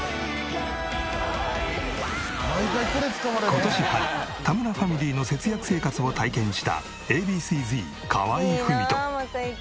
今年春田村ファミリーの節約生活を体験したＡ．Ｂ．Ｃ−Ｚ河合郁人。